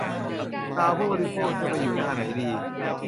ข่าวผู้บริโภค จะไปอยู่หน้าไหนดี ?